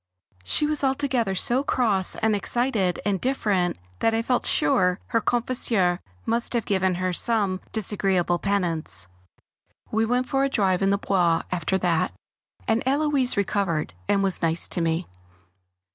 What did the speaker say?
She was altogether so cross and excited and different that I felt sure her confesseur must have given her some disagreeable penance. We went for a drive in the Bois after that, and Héloise recovered, and was nice to me.